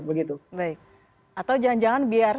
atau jangan jangan biar